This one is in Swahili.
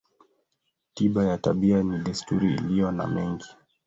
Tiba ya tabia ni desturi iliyo na mengi.